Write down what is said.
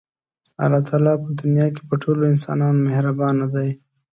الله تعالی په دنیا کې په ټولو انسانانو مهربانه دی.